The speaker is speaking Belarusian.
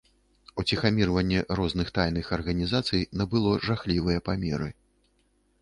Уціхамірванне розных тайных арганізацый набыло жахлівыя памеры.